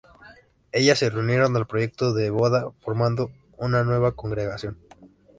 Ellas se unieron al proyecto de Boda, formando una nueva congregación.